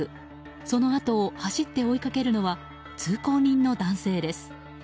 そのあとを走って追いかけるのは通行人の男性です。